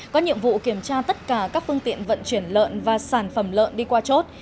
có nhiệm vụ kiểm tra tất cả các phương tiện vận chuyển lợn và sản phẩm lợn đi qua chốt